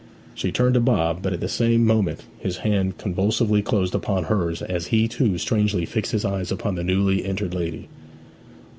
She turned to Bob, but at the same moment his hand convulsively closed upon hers as he, too, strangely fixed his eyes upon the newly entered lady.